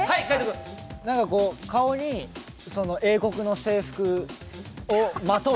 顔に英国の制服をまとう。